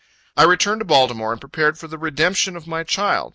I returned to Baltimore, and prepared for the redemption of my child.